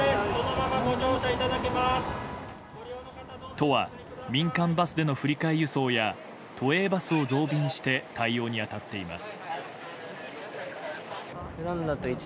都は民間バスでの振り替え輸送や都営バスを増便して対応に当たっています。